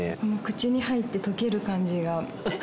口に入って溶ける感じが。